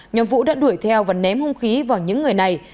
nhóm vũ đã đuổi theo và ném hung khí vào những người này